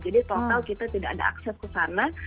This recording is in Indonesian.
total kita tidak ada akses ke sana